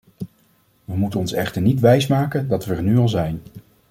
We moeten ons echter niet wijsmaken dat we er nu al zijn.